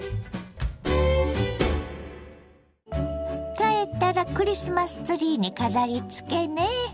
帰ったらクリスマスツリーに飾りつけね。